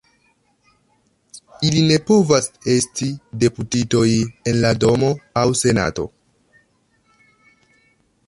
Ili ne povas esti deputitoj en la Domo aŭ Senato.